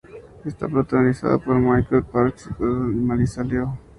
Está protagonizada por Michael Parks, John Goodman y Melissa Leo.